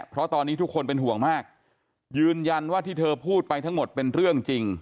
เพราะตอนนี้ทุกคนเป็นห่วงมากยืนยันว่าที่เธอพูดไปทั้งหมดเป็นเรื่องจริง